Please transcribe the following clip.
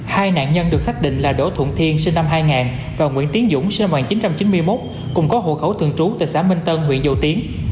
hai nạn nhân được xác định là đỗ thuận thiên sinh năm hai nghìn và nguyễn tiến dũng sinh năm một nghìn chín trăm chín mươi một cùng có hộ khẩu thường trú tại xã minh tân huyện dầu tiến